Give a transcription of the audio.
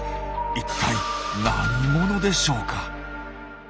一体何者でしょうか？